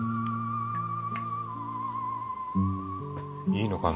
いいのか？